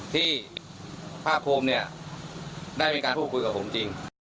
ที่ภาคกรุมได้เป็นการพูดกับผมจริง